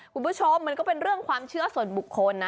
คุณผู้ชมมันก็เป็นเรื่องความเชื่อส่วนบุคคลนะ